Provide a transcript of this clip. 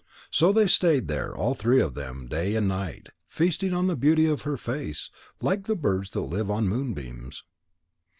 So they stayed there all three of them day and night, feasting on the beauty of her face, like the birds that live on moonbeams.